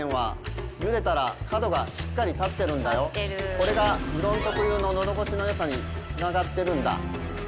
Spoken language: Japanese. これがうどん特有ののどごしの良さにつながってるんだ。